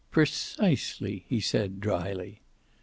"Precisely," he said dryly.